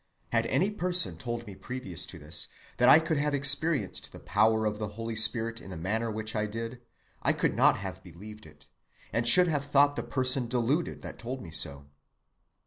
Had any person told me previous to this that I could have experienced the power of the Holy Spirit in the manner which I did, I could not have believed it, and should have thought the person deluded that told me so.